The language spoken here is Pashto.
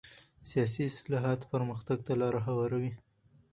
سیاسي اصلاحات پرمختګ ته لاره هواروي